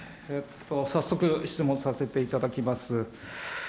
早速、質問させていただきます。